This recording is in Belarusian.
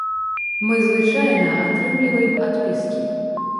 Мы звычайна атрымліваем адпіскі.